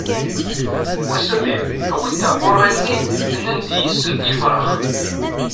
Wa Samir awi-d taqqurin-nni ad nandi yis-sent i yefrax!